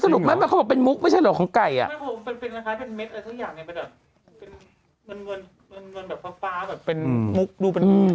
แล้วฟ้าเป็นมุกดูเป็น